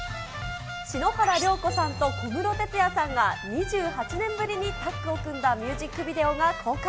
篠原涼子さんと小室哲哉さんが２８年ぶりにタッグを組んだミュージックビデオが公開。